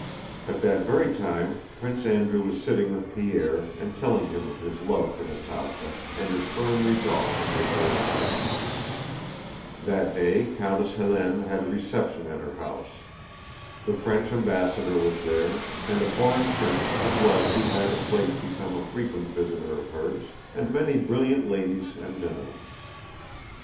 At that very time Prince Andrew was sitting with Pierre and telling him of his love for Natásha and his firm resolve to make her his wife. That day Countess Hélène had a reception at her house. The French ambassador was there, and a foreign prince of the blood who had of late become a frequent visitor of hers, and many brilliant ladies and gentlemen.